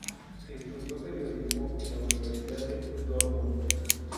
Estudió Periodismo en la Universidad de Dortmund.